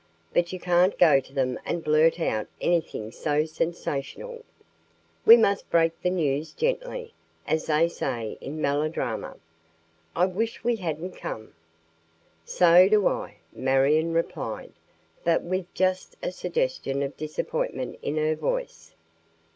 "But you can't go to them and blurt out anything so sensational. We must break the news gently, as they say in melodrama. I wish we hadn't come." "So do I," Marion replied, but with just a suggestion of disappointment in her voice.